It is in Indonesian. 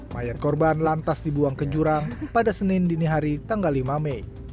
mayat korban lantas dibuang ke jurang pada senin dini hari tanggal lima mei